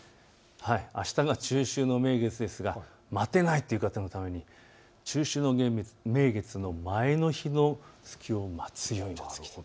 あしたが中秋の名月ですが待てないという方のために中秋の名月の前の日の月を待宵の月と。